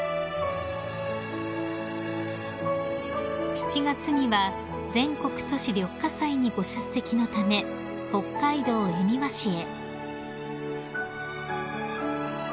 ［７月には全国都市緑化祭にご出席のため北海道恵庭市へ］